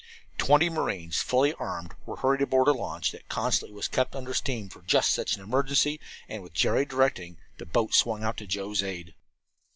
Twenty marines, fully armed, were hurried aboard a launch that constantly was kept under steam for just such an emergency, and, with Jerry directing, the boat swung out to Joe's aid.